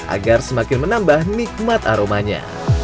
agar semakin menambah nikmat aromanya